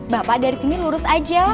bapak dari sini lurus aja